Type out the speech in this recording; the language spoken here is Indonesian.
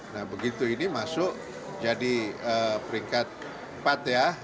nah begitu ini masuk jadi peringkat empat ya